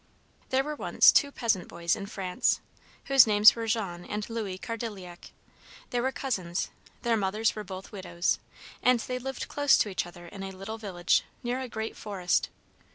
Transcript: There were once two peasant boys in France, whose names were Jean and Louis Cardilliac. They were cousins; their mothers were both widows, and they lived close to each other in a little village, near a great forest.